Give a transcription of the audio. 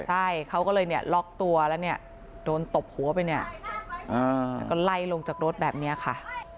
ใช่เขาก็เลยล็อคตัวแล้วโดนตบหัวไปแล้วก็ไล่ลงจากรถแบบนี้ค่ะ